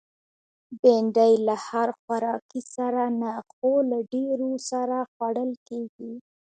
بېنډۍ له هر خوراکي سره نه، خو له ډېرو سره خوړل کېږي